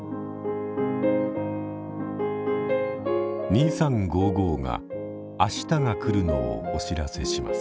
「２３」が明日が来るのをお知らせします。